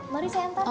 mari saya entar